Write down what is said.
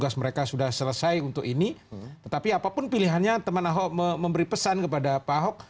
saya selesai untuk ini tetapi apapun pilihannya teman ahok memberi pesan kepada pak ahok